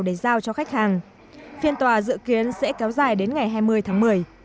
để giao cho khách hàng phiên tòa dự kiến sẽ kéo dài đến ngày hai mươi tháng một mươi